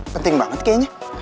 penting banget kayaknya